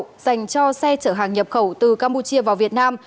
dành cho xe chở hàng nhập khẩu từ campuchia vào việt nam